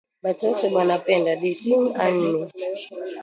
Batoto banapenda dissin annimé